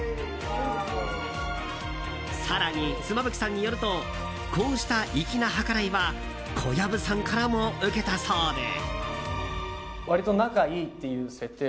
更に、妻夫木さんによるとこうしたいきな計らいは小籔さんからも受けたそうで。